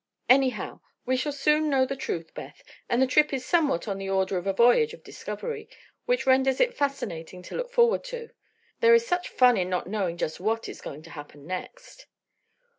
Anyhow, we shall soon know the truth, Beth, and the trip is somewhat on the order of a voyage of discovery, which renders it fascinating to look forward to. There is such fun in not knowing just what is going to happen next."